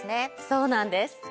そうなんです。